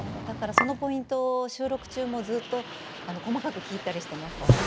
そのポイントを収録中もずっと細かく聞いたりしています。